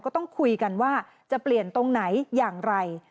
ก็ต้องคุยกันว่าจะเปลี่ยนตรงไหนอย่างไร